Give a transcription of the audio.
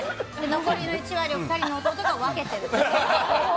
残りの１割は２人の弟が分けてるんです。